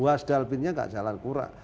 walau wasdalbinnya tidak jalan kurang